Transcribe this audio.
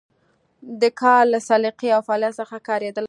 د کار له سلیقې او فعالیت څخه ښکارېدله.